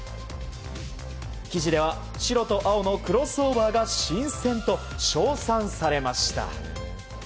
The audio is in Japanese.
記事では白と青のクロスオーバーが新鮮と称賛されました。